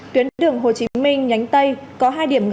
tuyến đường hồ chí minh nhánh tây